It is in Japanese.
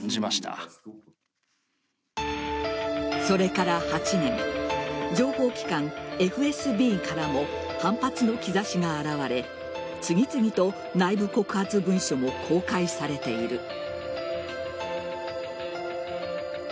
それから８年情報機関・ＦＳＢからも反発の兆しが表れ次々と内部告発文書も公開されている。